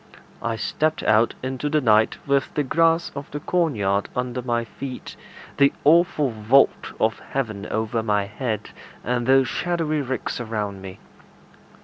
I stepped out into the night with the grass of the corn yard under my feet, the awful vault of heaven over my head, and those shadowy ricks around me.